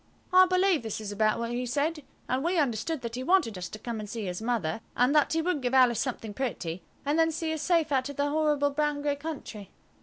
I believe this is about what he said, and we understood that he wanted us to come and see his mother, and that he would give Alice something pretty, and then see us safe out of the horrible brown grey country.